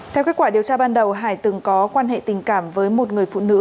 theo kết quả điều tra ban đầu hải từng có quan hệ tình cảm với một người phụ nữ